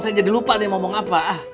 saya jadi lupa deh ngomong apa